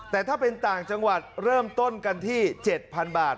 แต่ถ้าเป็นต่างจังหวัดเริ่มต้นกันที่๗๐๐บาท